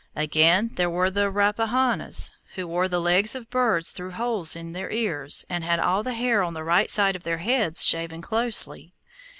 Again, there were the Rapahannas, who wore the legs of birds through holes in their ears, and had all the hair on the right side of their heads shaven closely.